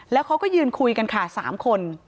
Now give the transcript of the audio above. แล้วเขาก็ยืนคุยกันค่ะ๓คน